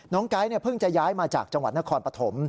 น้องไก๋เนี่ยเพิ่งจะย้ายมาจากจังหวัดนครปฐม